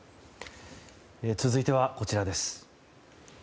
続いては、こちらです。